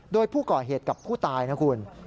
โดยผู้ก่อเหตุกับผู้ตายนะคุณ